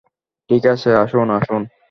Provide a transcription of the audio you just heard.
ঠিক আছে, আসুন, আসুন!